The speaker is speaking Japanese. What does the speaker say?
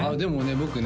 僕ね